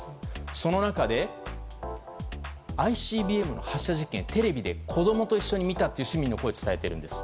その中で、ＩＣＢＭの発射実験をテレビで子供と一緒に見たという市民の声を伝えています。